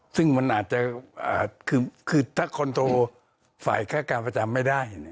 ซึ่งมันอาจจะคือถ้าคนโทรฝ่ายค่าการประจำไม่ได้